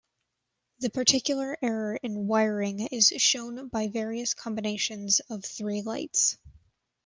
The particular error in wiring is shown by various combinations of three lights.